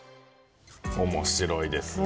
面白いですね。